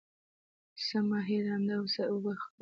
څه ماهی ړانده او څه اوبه خړی.